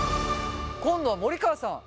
今度は森川さん。